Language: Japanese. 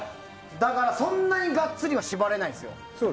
だから、そんなにガッツリは縛れないんですよ。